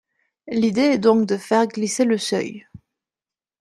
L’idée est donc de faire glisser le seuil.